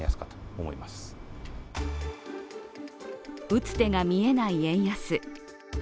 打つ手が見えない円安。